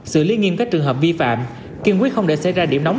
xử lý nghiêm các trường hợp vi phạm kiên quyết không để xảy ra điểm nóng